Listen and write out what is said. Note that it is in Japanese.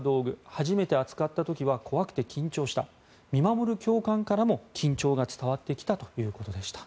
初めて扱った時は怖くて緊張した見守る教官からも緊張が伝わってきたということでした。